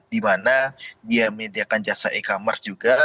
di mana dia menyediakan jasa e commerce juga